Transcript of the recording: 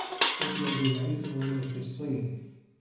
اطلبوا العلم ولو في الصين